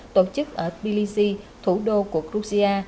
tổ chức ở tbilisi thủ đô của georgia